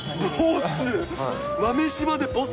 ボス。